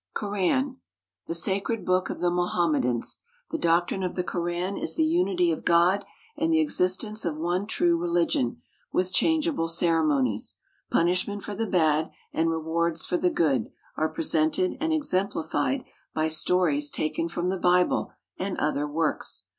=Koran.= The sacred book of the Mohammedans. The doctrine of the Koran is the unity of God and the existence of one true religion, with changeable ceremonies. Punishment for the bad, and rewards for the good, are presented and exemplified by stories taken from the Bible and other works.